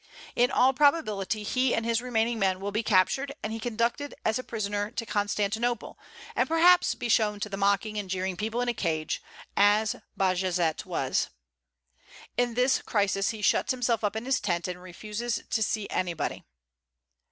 In all probability he and his remaining men will be captured, and he conducted as a prisoner to Constantinople, and perhaps be shown to the mocking and jeering people in a cage, as Bajazet was. In this crisis he shuts himself up in his tent, and refuses to see anybody.